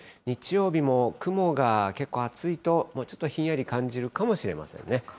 日曜日も雲が結構厚いと、ちょっとひんやり感じるかもしれませんね。